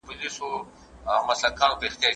اووه جمع يو؛ اته کېږي.